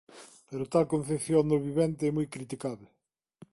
Pero tal concepción do vivente é moi criticábel.